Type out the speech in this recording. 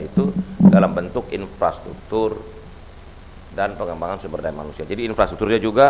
itu dalam bentuk infrastruktur dan pengembangan sumber daya manusia jadi infrastrukturnya juga